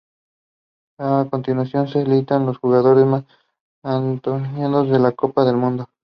A continuación se listan los jugadores con más anotaciones en la Copa del Mundo.